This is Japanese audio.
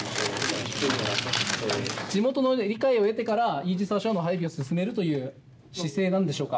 地元のね理解を得てからイージス・アショアの配備を進めるという姿勢なんでしょうか？